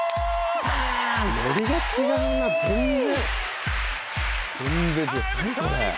ノリが違うな全然。